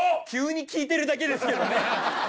急に聞いてるだけですけどね。